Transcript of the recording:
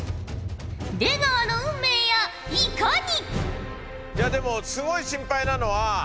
出川の運命やいかに！？